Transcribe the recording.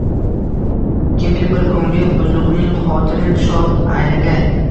Kimki bir ko`ngli buzuqning xotirin shod aylagay